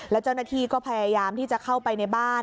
แล้วเจ้าหน้าที่ก็พยายามที่จะเข้าไปในบ้าน